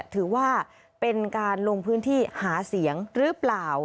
ถือว่าเป็นการลงพื้นที่หาเสียงหรือเปล่า